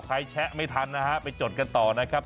แชะไม่ทันนะฮะไปจดกันต่อนะครับ